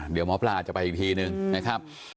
เดี๋ยวหมอปลาจะไปอีกทีนึงนะครับ